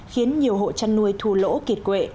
khiến nhiều hộ chăn nuôi thu lỗ kiệt quệ